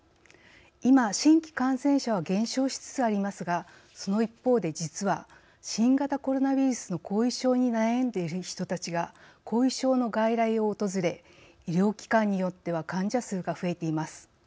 今、新規感染者は減少しつつありますがその一方で、実は新型コロナウイルスの後遺症に悩んでいる人たちが後遺症の外来を訪れ医療機関によっては患者数が増えています。